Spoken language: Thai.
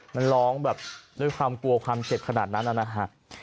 มันร้องแบบด้วยความกลัวความเจ็บขนาดนั้นนะฮะ